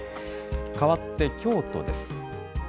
かわって京都です。